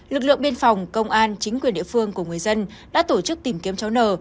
lực lượng biên phòng công an chính quyền địa phương của người dân đã tổ chức tìm kiếm cháu nờ